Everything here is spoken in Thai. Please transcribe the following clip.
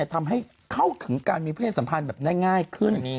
ทำให้เข้าขึ้นกับมีโพร่นสัมภัณฑ์แบบง่ายขึ้น